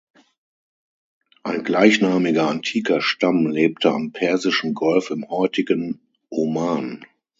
Ein gleichnamiger antiker Stamm lebte am Persischen Golf im heutigen Oman.